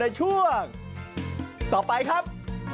กลับมาช่วงต่อไปครับ